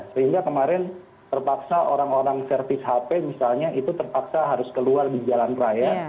sehingga kemarin terpaksa orang orang servis hp misalnya itu terpaksa harus keluar di jalan raya